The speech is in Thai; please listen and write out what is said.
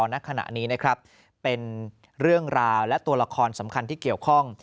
ณขณะนี้นะครับเป็นเรื่องราวและตัวละครสำคัญที่เกี่ยวข้อง